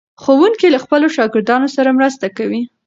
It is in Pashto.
ښوونکی له خپلو شاګردانو سره مرسته کوي.